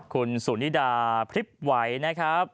คุณสุนิดาพริบไหวนะครับ